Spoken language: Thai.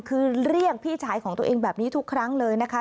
คือเรียกพี่ชายของตัวเองแบบนี้ทุกครั้งเลยนะคะ